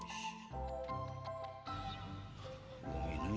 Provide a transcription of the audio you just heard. eh keren tuh